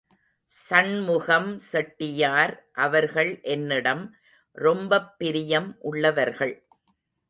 சண்முகம் செட்டியார் அவர்கள் என்னிடம் ரொம்பப் பிரியம் உள்ளவர்கள்.